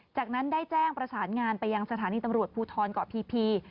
จากนั้นได้แจ้งประสานงานไปยังสถานีตำรวจภูทรเกาะพี